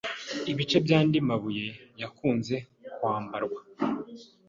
ibice by'andi mabuye yakunze kwambarwa